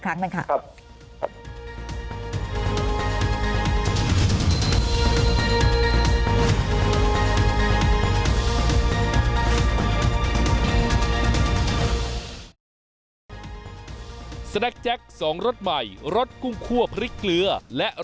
ครั้งนะคะ